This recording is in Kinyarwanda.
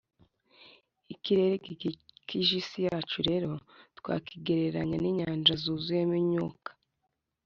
ikirere gikikije isi yacu rero twakigereranya n'inyanja zuzuye imyuka.